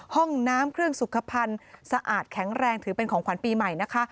ห้องน้ำเครื่องสุขภัณฑ์สะอาดแข็งแรงถือเป็นของขวัญปีใหม่นะคะ